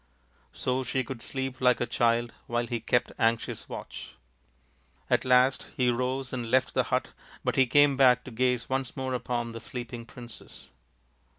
So she could sleep like a child while he kept anxious watch. At last he rose and left the hut, but he came back to gaze once more upon the sleeping princess.